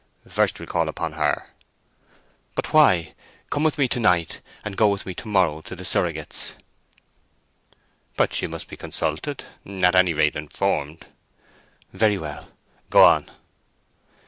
"First we'll call upon her." "But why? Come with me to night, and go with me to morrow to the surrogate's." "But she must be consulted; at any rate informed." "Very well; go on."